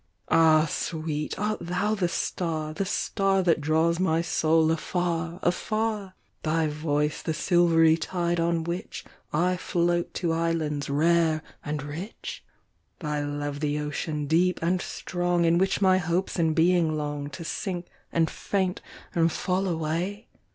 Ah, sweet, art thou the star, the starThat draws my soul afar, afar? Thy voice the silvery tide on whichI float to islands rare and rich? Thy love the ocean, deep and strong, In which my hopes and being longTo sink and faint and fail away?